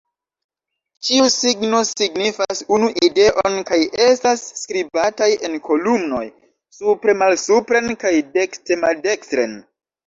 Ĉiu signo signifas unu ideon kaj estas skribataj en kolumnoj, supre-malsupren kaj dekste-maldekstren.